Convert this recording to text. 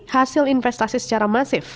hasil investasi secara masif